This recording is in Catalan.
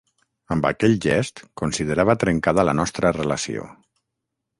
Amb aquell gest considerava trencada la nostra relació.